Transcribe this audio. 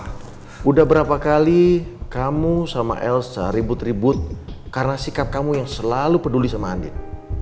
sudah berapa kali kamu sama elsa ribut ribut karena sikap kamu yang selalu peduli sama andin